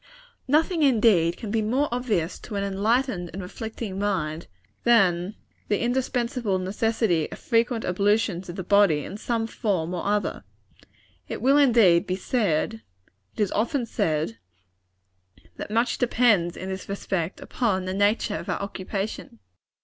Nothing, indeed, can be more obvious to an enlightened and reflecting mind, than the indispensable necessity of frequent ablutions of the body in some form or other. It will, indeed, be said it is often said that much depends, in this respect, upon the nature of our occupation.